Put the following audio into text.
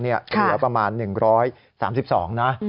เหลือประมาณ๑๓๒นะ